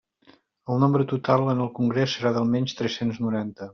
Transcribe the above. El nombre total en el congrés serà d'almenys tres-cents noranta.